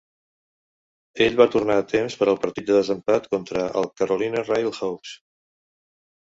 Ell va tornar a temps per al partit de desempat contra el Carolina RailHawks.